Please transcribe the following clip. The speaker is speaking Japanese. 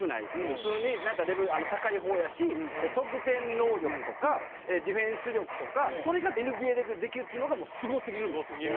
普通になんやったらレベル高い方やし得点能力とかディフェンス力とかそれがＮＢＡレベルでできるっていうのがもうすごすぎるんですよ。